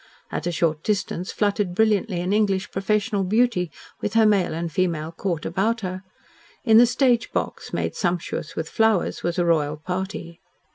At a short distance fluttered brilliantly an English professional beauty, with her male and female court about her. In the stage box, made sumptuous with flowers, was a royal party.